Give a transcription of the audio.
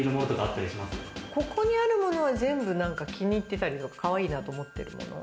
ここにあるものは全部気に入ってたり、かわいいなと思ってるもの。